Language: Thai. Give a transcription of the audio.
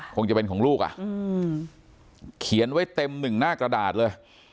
คงจะเป็นของลูกอ่ะเขียนไว้เต็มหนึ่งหน้ากระดาษเลย